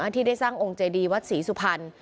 ที่ได้สร้างองค์เจดีวัดศรีสุพรรณ